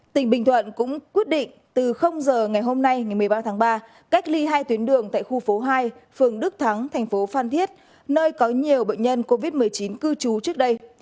tỉnh bình thuận cũng quyết định từ giờ ngày hôm nay ngày một mươi ba tháng ba cách ly hai tuyến đường tại khu phố hai phường đức thắng thành phố phan thiết nơi có nhiều bệnh nhân covid một mươi chín cư trú trước đây